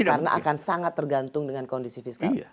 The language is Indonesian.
karena akan sangat tergantung dengan kondisi fiskal